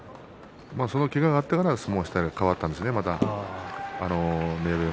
その、けががあったから相撲が変わったんですね。